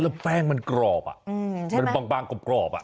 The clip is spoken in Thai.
แล้วแป้งมันกรอบมันบางกรอบ